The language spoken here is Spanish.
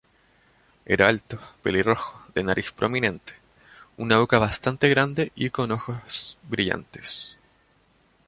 Era alto, pelirrojo, de nariz prominente, una boca bastante grande y con ojos brillantes.